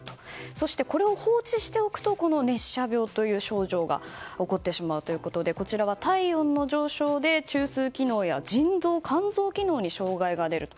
そして、これを放置しておくと熱射病という症状が起こってしまうということで体温の上昇で中枢機能や肝臓、腎臓機能に障害が出ると。